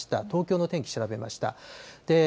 東京の天気を調べました。